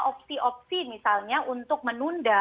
opsi opsi misalnya untuk menunda